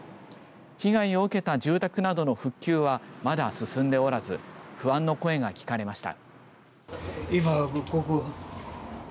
被害を受けた住宅などの復旧はまだ進んでおらず不安の声が聞かれました。